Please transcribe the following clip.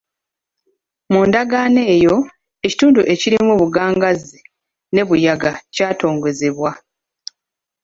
Mu Ndagaano eyo, ekitundu ekirimu Bugangazzi ne Buyaga kyatongozebwa.